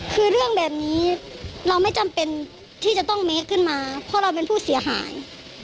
คือเรื่องแบบนี้เราไม่จำเป็นที่จะต้องเมคขึ้นมาเพราะเราเป็นผู้เสียหาย